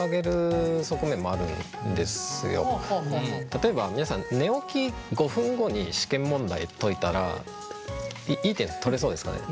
例えば皆さん寝起き５分後に試験問題解いたらいい点取れそうですかね？